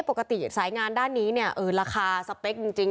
ปกติสายงานด้านนี้เนี่ยราคาสเปคจริง